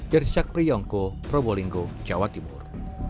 dari syakri yongko propolinggo jawa timur